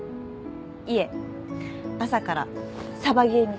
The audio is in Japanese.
いえ朝からサバゲーに。